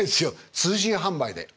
通信販売で。